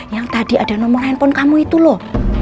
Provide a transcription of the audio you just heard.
yang tadi ada nomor handphone kamu itu loh